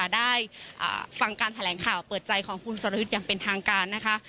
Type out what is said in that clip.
ได้ฟังการแถลงข่าวเปิดใจของคุณสรยุทธ์อย่างเป็นทางการนะคะ